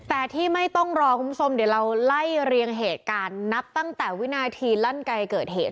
แต่ที่ไม่ต้องรอคุณผู้ชมเดี๋ยวเราไล่เรียงเหตุการณ์นับตั้งแต่วินาทีลั่นไกลเกิดเหตุ